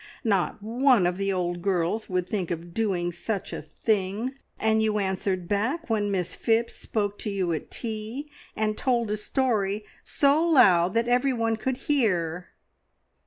Not one of the old girls would think of doing such a thing. And you answered back when Miss Phipps spoke to you at tea and told a story so loud that everyone could hear!"